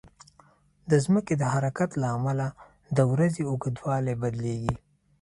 د ځمکې د حرکت له امله د ورځې اوږدوالی بدلېږي.